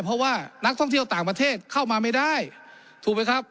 เพราะว่านักท่องเที่ยวต่างประเทศเข้ามาไม่ได้ถูกไหมครับ